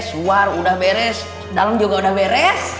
udah beres luar udah beres dalam juga udah beres